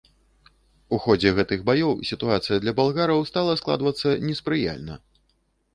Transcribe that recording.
У ходзе гэтых баёў сітуацыя для балгараў стала складвацца неспрыяльна.